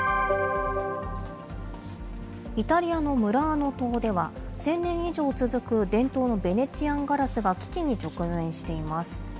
イタリアのムラーノ島では、１０００年以上続く伝統のベネチアンガラスが危機に直面しています。